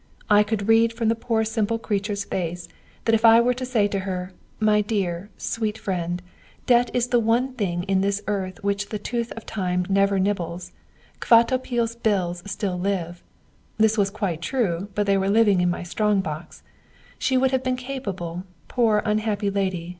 I could read from the poor simple creature's face that if I were to say to her, 'My dear, sweet friend, debt is the one thing in this earth which the tooth of time never nibbles, Kvatopil's bills still live' (this was quite true, but they were living in my strong box), she would have been capable, poor, unhappy lady!